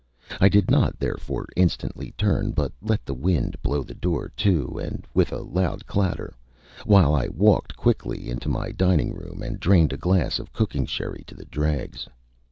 I did not therefore instantly turn, but let the wind blow the door to with a loud clatter, while I walked quickly into my dining room and drained a glass of cooking sherry to the dregs.